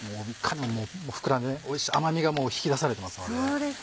膨らんで甘みが引き出されてますので。